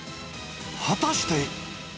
果たして。